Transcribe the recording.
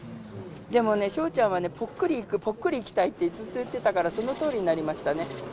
でもね、笑ちゃんはぽっくり逝く、ぽっくり逝きたいってずっと言ってたから、そのとおりになりましたね。